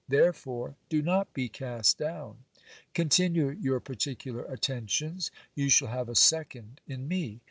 Therefore do not be cast down. Continue your particular attentions. You shall have a second in me.